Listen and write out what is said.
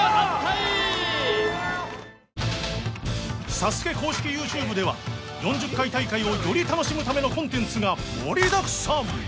ＳＡＳＵＫＥ公式ＹｏｕＴｕｂｅでは４０回大会をより楽しむためのコンテンツが盛りだくさん！